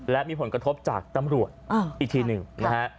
และมีผลกระทบจากตำรวจอีกทีหนึ่งนะฮะ